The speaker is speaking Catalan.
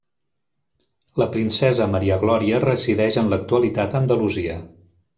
La princesa Maria Glòria resideix en l'actualitat a Andalusia.